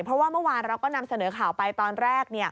เพราะว่าเมื่อวานเราก็นำเสนอข่าวไปตอนแรก